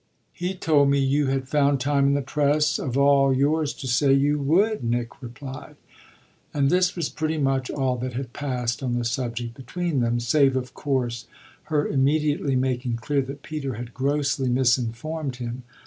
"He told me you had found time in the press of all yours to say you would," Nick replied. And this was pretty much all that had passed on the subject between them save of course her immediately making clear that Peter had grossly misinformed him.